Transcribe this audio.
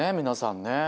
皆さんね。